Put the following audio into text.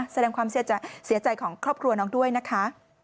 แสดงความเสียใจของครอบครัวน้องด้วยนะคะ